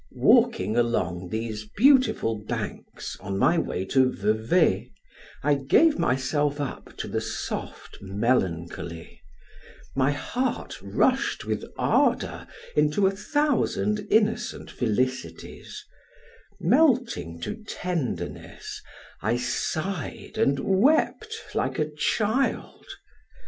Walking along these beautiful banks, on my way to Vevay, I gave myself up to the soft melancholy; my heart rushed with ardor into a thousand innocent felicities; melting to tenderness, I sighed and wept like a child.